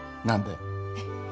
何で？